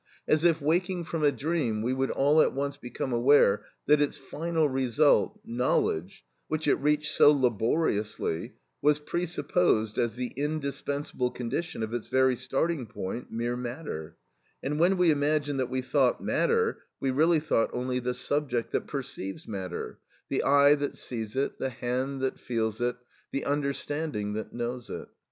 As if waking from a dream, we would all at once become aware that its final result—knowledge, which it reached so laboriously, was presupposed as the indispensable condition of its very starting point, mere matter; and when we imagined that we thought matter, we really thought only the subject that perceives matter; the eye that sees it, the hand that feels it, the understanding that knows it.